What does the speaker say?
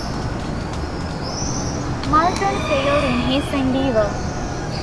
Muldoon failed in his endeavor.